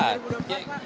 bapak angin bapak